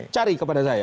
cari kepada saya